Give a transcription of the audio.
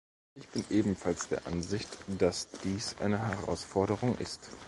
Ich bin ebenfalls der Ansicht, dass dies eine Herausforderung ist.